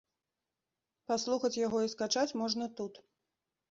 Паслухаць яго і скачаць можна тут.